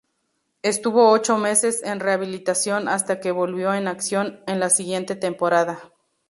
Estuvo ocho meses en rehabilitación hasta que volvió en acción en la siguiente temporada.